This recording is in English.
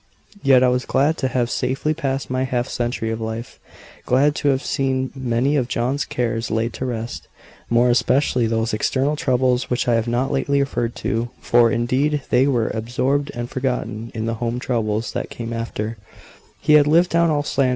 Yet I was glad to have safely passed my half century of life glad to have seen many of John's cares laid to rest, more especially those external troubles which I have not lately referred to for, indeed, they were absorbed and forgotten in the home troubles that came after.